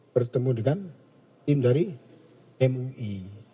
bertemu dengan tim dari mui